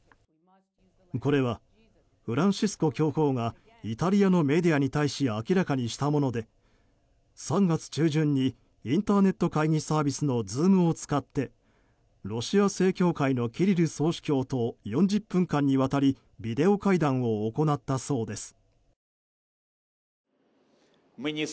これはフランシスコ教皇がイタリアのメディアに対し明らかにしたもので３月中旬にインターネット会議サービスのＺｏｏｍを使ってロシア正教会のキリル総主教と４０分間にわたりビデオ会談を行ったそうです。